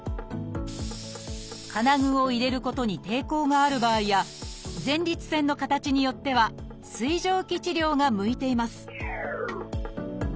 金具を入れることに抵抗がある場合や前立腺の形によっては水蒸気治療が向いています